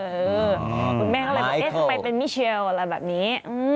คุณแม่ก็เลยบอกเอ๊ะทำไมเป็นมิเชียลอะไรแบบนี้